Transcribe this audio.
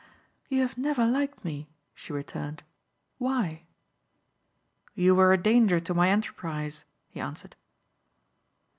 "You have never liked me," she returned, "Why?" "You were a danger to my enterprise," he answered.